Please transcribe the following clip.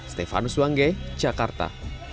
stefanus wangge jakarta